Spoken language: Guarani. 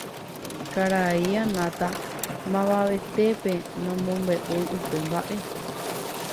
Karai Anata mavavetépe nomombe'úi upe mba'e.